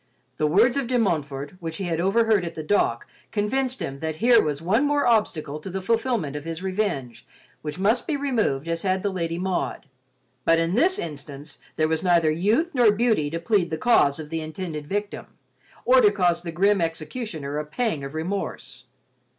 The words of De Montfort, which he had overheard at the dock, convinced him that here was one more obstacle to the fulfillment of his revenge which must be removed as had the Lady Maud; but in this instance there was neither youth nor beauty to plead the cause of the intended victim, or to cause the grim executioner a pang of remorse.